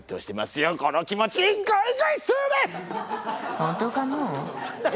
本当かのう？